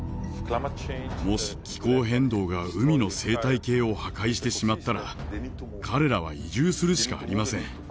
もし気候変動が海の生態系を破壊してしまったら彼らは移住するしかありません。